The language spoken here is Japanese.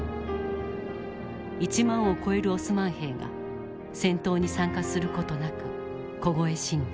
１万を超えるオスマン兵が戦闘に参加する事なく凍え死んだ。